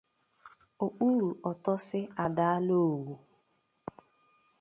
Okpuru ọtọsị adaala òwù